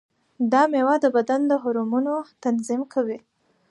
دا مېوه د بدن د هورمونونو تنظیم کوي.